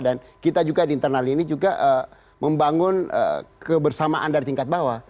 dan kita juga di internal ini juga membangun kebersamaan dari tingkat bawah